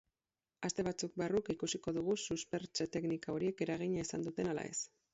Aste batzuk barru ikusiko dugu suspertze-teknika horiek eragina izan duten ala ez.